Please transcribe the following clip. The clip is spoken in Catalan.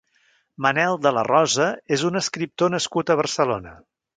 Manel de la Rosa és un escriptor nascut a Barcelona.